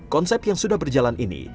konsep yang sudah berjalan ini